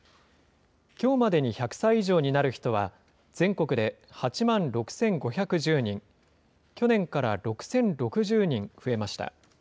きょうまでに１００歳以上になる人は、全国で８万６５１０人、去年から６０６０人増えました。